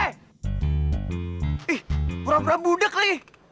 ih buram buram budeg nih